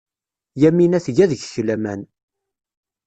Yamina tga deg-k laman.